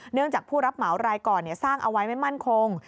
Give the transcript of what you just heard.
จากผู้รับเหมารายก่อนสร้างเอาไว้ไม่มั่นคง